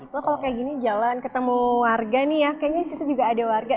kalau kayak gini jalan ketemu warga nih ya kayaknya di situ juga ada warga